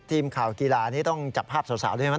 ทีมข่าวกีฬานี้ต้องจับภาพสาวด้วยไหม